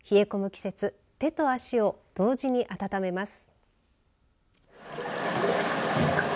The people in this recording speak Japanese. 季節手と足を同時に温めます。